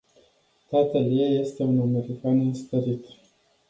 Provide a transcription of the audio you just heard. Tatăl ei este un american înstărit.